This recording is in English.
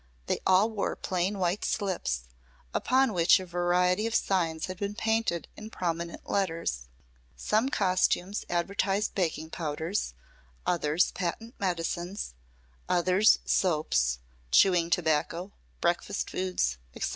They all wore plain white slips, upon which a variety of signs had been painted in prominent letters. Some costumes advertised baking powders, others patent medicines, others soaps, chewing tobacco, breakfast foods, etc.